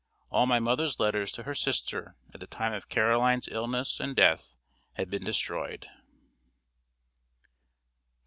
All my mother's letters to her sister at the time of Caroline's illness and death had been destroyed.